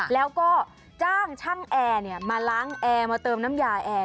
แล้วก็จ้างช่างแอร์มาล้างแอร์มาเติมน้ำยาแอร์